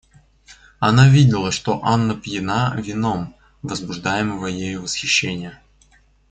Она видела, что Анна пьяна вином возбуждаемого ею восхищения.